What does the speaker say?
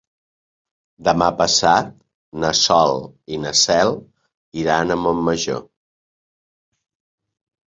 Demà passat na Sol i na Cel iran a Montmajor.